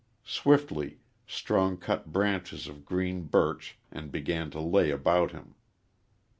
Swiftly Strong cut branches of green birch and began to lay about him.